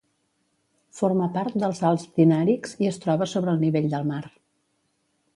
Forma part dels Alps Dinàrics i es troba sobre el nivell del mar.